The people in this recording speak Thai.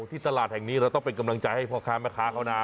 ที่ตลาดแห่งนี้เราต้องเป็นกำลังใจให้พ่อค้าแม่ค้าเขานะ